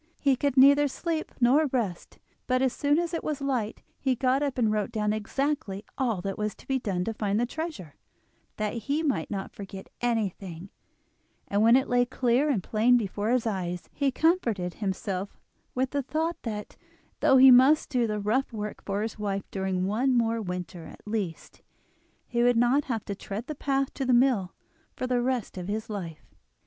He could neither sleep nor rest; but as soon as it was light he got up and wrote down exactly all that was to be done to find the treasure, that he might not forget anything, and when it lay clear and plain before his eyes he comforted himself with the thought that, though he must do the rough work for his wife during one more winter at least, he would not have to tread the path to the mill for the rest of his life.